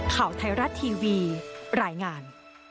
ข่าวไทยรัฐทีวีรายงาน